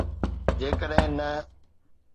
جيڪڏهن نه.